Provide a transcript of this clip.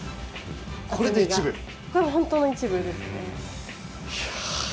これホント一部ですね。